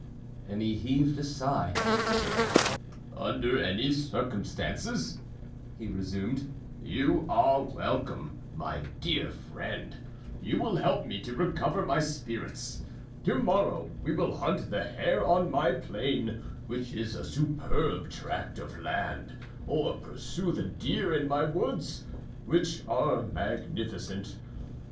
And he heaved a sigh. "Under any circumstances," he resumed, "you are welcome, my dear friend; you will help me to recover my spirits; to morrow we will hunt the hare on my plain, which is a superb tract of land, or pursue the deer in my woods, which are magnificent.